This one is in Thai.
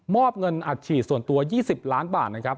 อบเงินอัดฉีดส่วนตัว๒๐ล้านบาทนะครับ